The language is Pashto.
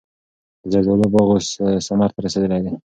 د زردالو باغ اوس ثمر ته رسېدلی دی.